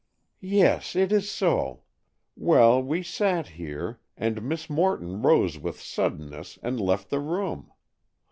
"Yes; it is so. Well, we sat here, and Miss Morton rose with suddenness and left the room.